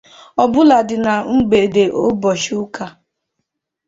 Ọbụladị na mgbede ụbọchị ụka